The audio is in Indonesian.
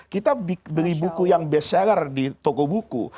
kita beli buku yang best seller di toko buku